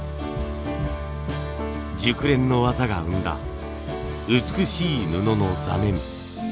熟練の技が生んだ美しい布の座面。